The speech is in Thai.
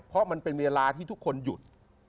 เพราะมันเป็นเวลาที่ทุกคนหยุด